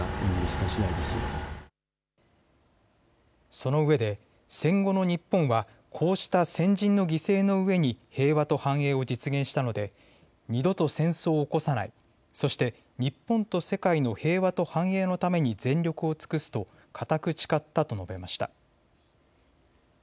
そのうえで戦後の日本はこうした先人の犠牲の上に平和と繁栄を実現したので二度と戦争を起こさない、そして日本と世界の平和と繁栄のために全力を尽くすと固く誓ったと述べました。